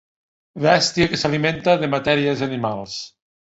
Bèstia que s'alimenta de matèries animals.